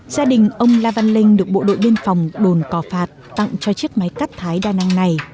gia đình ông la văn linh được bộ đội biên phòng đồn cò phạt tặng cho chiếc máy cắt thái đa năng này